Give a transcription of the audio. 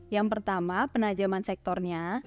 yang pertama penajaman sektornya